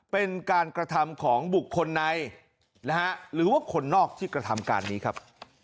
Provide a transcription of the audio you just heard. เป็นการกระทำของบุคคลในนะฮะหรือว่าคนนอกที่กระทำการนี้ครับ